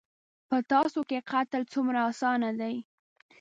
_په تاسو کې قتل څومره اسانه دی.